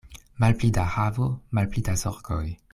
Malpli da havo, malpli da zorgoj.